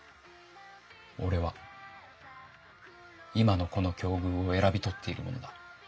俺は今のこの境遇を選び取っている者だ。